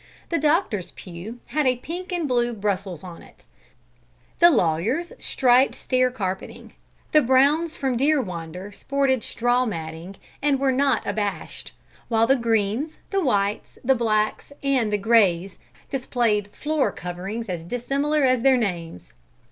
The doctor's pew had a pink and blue Brussels on it; the lawyer's, striped stair carpeting; the Browns from Deerwander sported straw matting and were not abashed; while the Greens, the Whites, the Blacks and the Greys displayed floor coverings as dissimilar as their names.